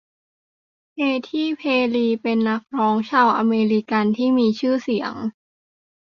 เคที เพร์รี เป็นนักร้องชาวอเมริกันที่มีชื่อเสียง